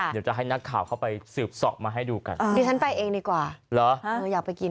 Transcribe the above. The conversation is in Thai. เดี๋ยวฉันไปเองดีกว่าหรือหรืออยากไปกิน